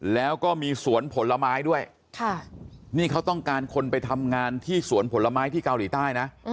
แล้วก็มีสวนผลไม้ด้วยนี่เขาต้องการคนไปทำงานที่สวนผลไม้ที่เกาหลีใต้นะ